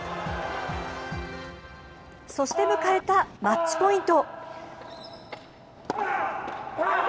そして、迎えたマッチポイント。